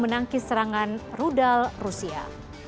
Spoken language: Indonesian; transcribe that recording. menangkis serangan rudal rusia